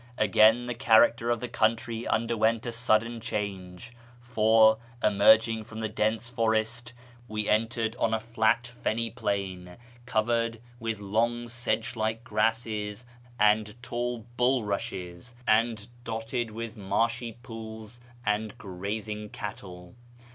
Again the character of the country underwent a sudden jchange ; for, emerging from the dense forest, we entered on a at fenny plain, covered with long sedge like grasses and tall [bulrushes, and. dotted with marshy pools and grazing cattle.